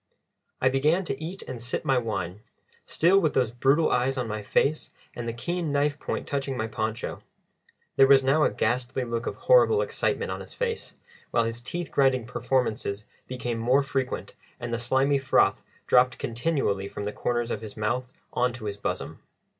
I began to eat and sip my wine, still with those brutal eyes on my face and the keen knife point touching my poncho. There was now a ghastly look of horrible excitement on his face, while his teeth grinding performances became more frequent and the slimy froth dropped continually from the corners of his mouth on to his bosom.